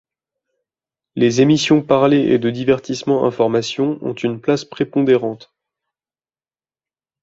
Les émissions parlées et de divertissement-informations ont une place prépondérante.